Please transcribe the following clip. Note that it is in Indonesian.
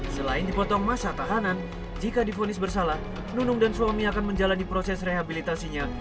selain dipotong masa tahanan jika difonis bersalah nunung dan suami akan menjalani proses rehabilitasinya